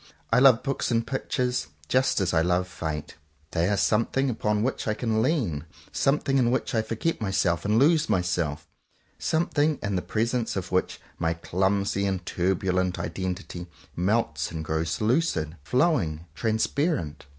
I love books and pictures, just as I love Fate. They are something upon which I can lean; some thing in which I forget myself and lose myself; something in the presence of which my clumsy and turbulent identity melts and grows lucid, flowing, transparent.